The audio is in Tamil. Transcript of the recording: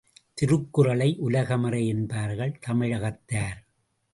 திருக்குறளை உலகமறை என்பார் தமிழகத்தார்.